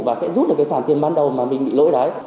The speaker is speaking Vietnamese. và sẽ rút được cái khoản tiền ban đầu mà mình bị lỗi đấy